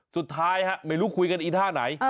สุดท้ายไม่รู้คุยกันอีท่าไหน